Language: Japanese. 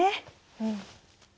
うん。